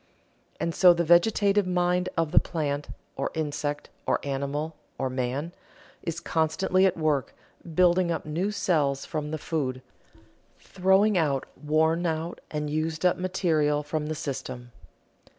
And so the vegetative mind of the plant, or insect, or animal, or man, is constantly at work building up new cells from the food, throwing out worn out and used up material from the system.